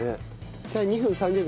さあ２分３０秒。